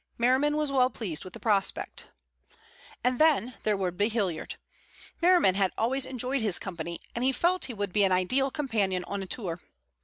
Merriman was well pleased with the prospect. And then there would be Hilliard. Merriman had always enjoyed his company, and he felt he would be an ideal companion on a tour.